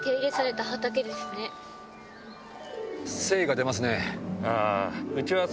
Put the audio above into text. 精が出ますね。